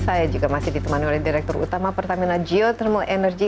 saya juga masih ditemani oleh direktur utama pertamina geothermal energy